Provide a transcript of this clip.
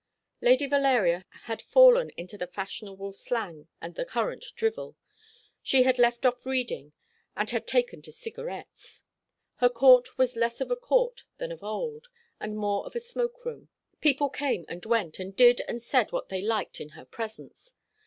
Lady Valeria had fallen into the fashionable slang and the current drivel. She had left off reading, and had taken to cigarettes. Her court was less of a court than of old, and more of a smoke room. People came and went, and did and said what they liked in her presence.